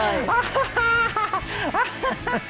ハハハハ！